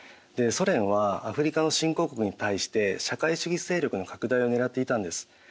でソ連はアフリカの新興国に対して社会主義勢力の拡大をねらっていたんです。